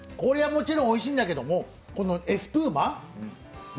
もちろんおいしいんだけどもエスプーマ？